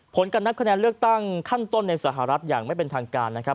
ผลการนับคะแนนเลือกตั้งขั้นต้นในสหรัฐอย่างไม่เป็นทางการนะครับ